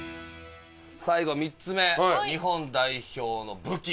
最後３つ目日本代表の武器。